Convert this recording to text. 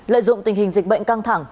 lợi dụng tình hình dịch bệnh căng thẳng